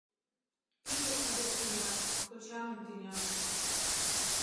Тиде ыле тӱня, кочамын тӱняже.